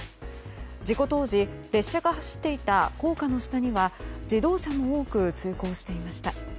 事故当時、列車が走っていた高架の下には自動車も多く通行していました。